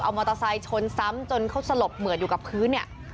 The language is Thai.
มอเตอร์ไซค์ชนซ้ำจนเขาสลบเหมือดอยู่กับพื้นเนี่ย